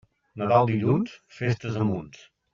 Nadal dilluns, festes a munts.